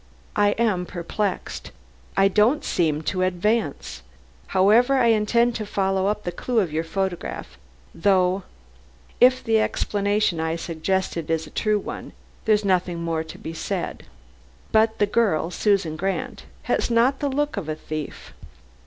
"I am perplexed. I don't seem to advance. However, I intend to follow up the clue of your photograph, though if the explanation I suggest is the true one, there's nothing more to be said. But the girl, Susan Grant, has not the look of a thief."